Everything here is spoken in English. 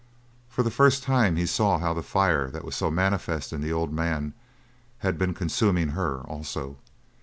For the first time he saw how the fire that was so manifest in the old man had been consuming her, also.